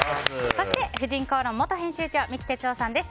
そして、「婦人公論」元編集長三木哲男さんです。